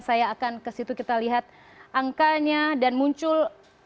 saya akan ke situ kita lihat angkanya dan muncul